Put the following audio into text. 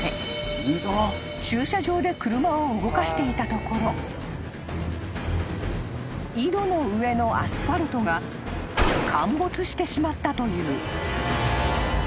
［駐車場で車を動かしていたところ井戸の上のアスファルトが陥没してしまったという］